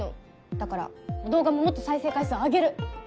だから動画ももっと再生回数上げる。